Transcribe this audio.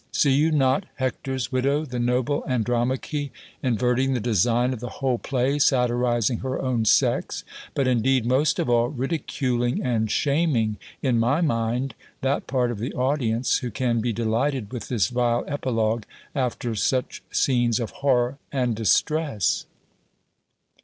See you not Hector's widow, the noble Andromache, inverting the design of the whole play, satirizing her own sex, but indeed most of all ridiculing and shaming, in my mind, that part of the audience, who can be delighted with this vile epilogue, after such scenes of horror and distress?"